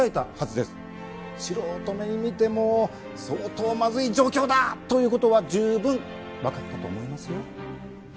素人目に見ても相当まずい状況だという事は十分わかったと思いますよ。